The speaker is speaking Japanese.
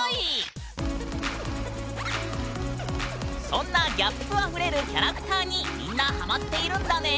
そんなギャップあふれる「キャラクター」にみんなハマっているんだね！